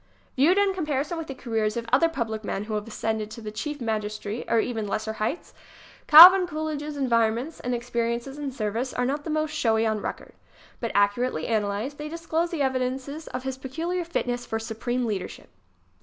Viewed in comparison with the careers of other public men who have ascended to the chief magis tracy or to even lesser heights, Calvin Coolidge' s environments and experiences in service are not the most showy on record. But, accurately analyzed, they disclose the evidences of his peculiar fitness for supreme leadership.